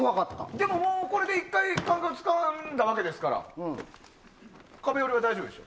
でも、これで１回感覚つかんだわけですから壁下りは大丈夫でしょ。